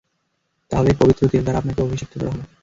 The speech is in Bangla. তাহলে এই পবিত্র তেল দ্বারা আপনাকে অভিষিক্ত করা হলো।